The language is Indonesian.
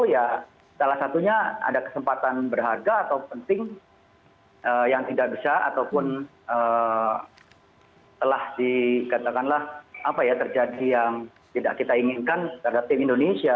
ya salah satunya ada kesempatan berharga atau penting yang tidak bisa ataupun telah dikatakanlah apa ya terjadi yang tidak kita inginkan terhadap tim indonesia